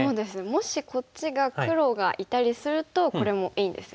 もしこっちが黒がいたりするとこれもいいですよね。